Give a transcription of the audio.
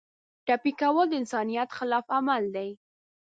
ټپي کول د انسانیت خلاف عمل دی.